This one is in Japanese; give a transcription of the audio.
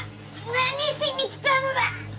何しに来たのだ！